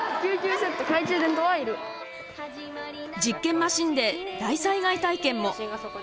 実験マシンで大災害体験も。